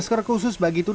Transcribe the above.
nah hadis sometimes